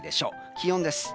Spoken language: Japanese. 気温です。